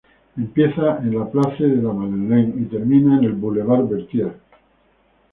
Empieza en la Place de la Madeleine y termina en el Boulevard Berthier.